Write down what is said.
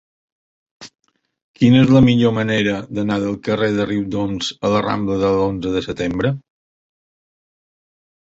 Quina és la millor manera d'anar del carrer de Riudoms a la rambla de l'Onze de Setembre?